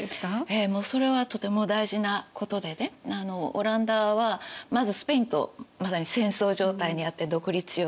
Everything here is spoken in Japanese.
もうそれはとても大事なことでねオランダはまずスペインとまさに戦争状態にあって独立しようとしている。